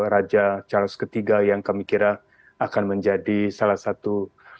raja charles iii yang kami kira akan menjadi salah satu